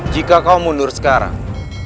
jika kau mundur sekarang